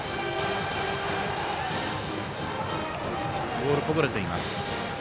ボール、こぼれています。